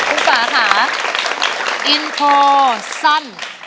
อุฟะค่ะอินโฟร์ซั่น